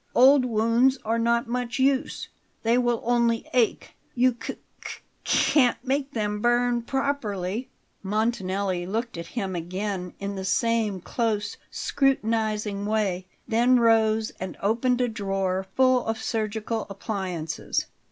Old wounds are not much use. They will only ache; you c c can't make them burn properly." Montanelli looked at him again in the same close, scrutinizing way; then rose and opened a drawer full of surgical appliances.